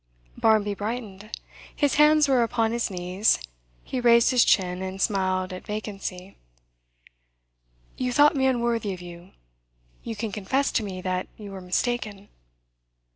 Barmby brightened. His hands were upon his knees; he raised his chin, and smiled at vacancy. 'You thought me unworthy of you. You can confess to me that you were mistaken.